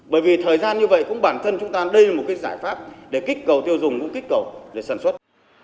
bởi vì thời gian như vậy cũng bản thân chúng ta đây là một giải pháp để kích cầu tiêu dùng cũng kích cầu để sản xuất